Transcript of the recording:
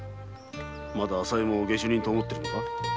まだ朝右衛門を下手人だと思っているのか？